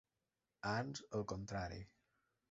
Ans al contrari.